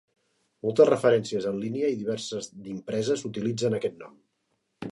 Moltes referències en línia i diverses d'impreses utilitzen aquest nom.